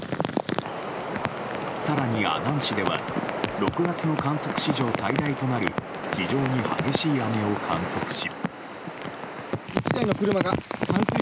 更に、阿南市では６月の観測史上最大となる非常に激しい雨を観測し。